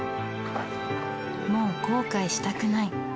もう後悔したくない。